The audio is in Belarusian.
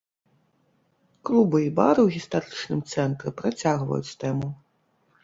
Клубы і бары ў гістарычным цэнтры працягваюць тэму.